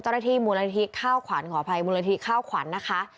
ราธิมูลนิธิข้าวขวัญห่อภัยมูลนิธิข้าวขวัญนะคะ